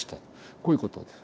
こういうことです。